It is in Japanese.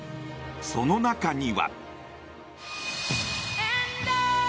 その中には。